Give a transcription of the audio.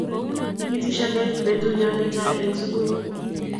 kikitishanech betuu nyoo netai eng sukul